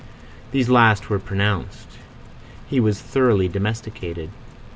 These last were pronounced. He was thoroughly domesticated.